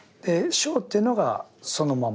「性」っていうのがそのまま。